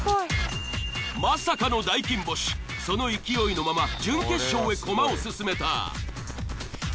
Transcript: まさかのその勢いのまま準決勝へコマを進めた。